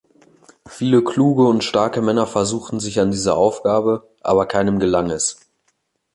Viele kluge und starke Männer versuchten sich an dieser Aufgabe, aber keinem gelang es.